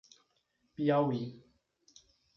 Piauí